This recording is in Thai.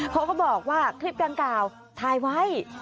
เขาก็บอกว่าคลิปดังกล่าวถ่ายไว้